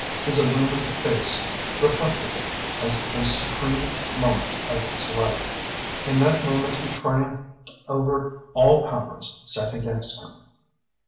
His illumined face reflected it as the supreme moment of his life. In that moment he triumphed over all powers set against him.